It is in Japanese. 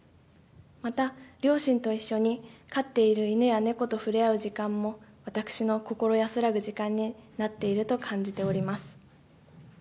また、両親と一緒に、飼っている犬や猫と触れ合う時間も、私の心安らぐ時間になっていると感じております。